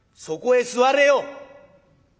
そこへ座れよ！